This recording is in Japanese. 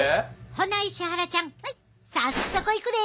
ほな石原ちゃん早速いくで！